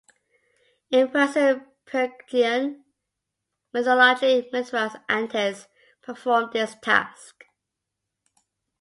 In Persian and Phrygian mythology, Mithras and Attis perform this task.